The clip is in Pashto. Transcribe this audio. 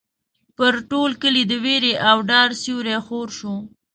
پر ټول کلي د وېرې او ډار سیوری خور شو.